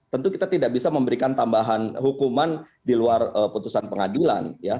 tentu kita tidak bisa memberikan tambahan hukuman di luar putusan pengadilan